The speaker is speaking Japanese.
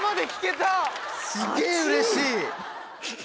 すげぇうれしい！